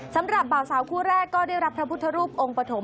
สำหรับบ่าวสาวคู่แรกก็ได้รับพระพุทธรูปองค์ปฐม